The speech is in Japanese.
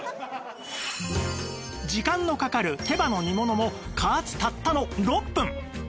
時間のかかる手羽の煮物も加圧たったの６分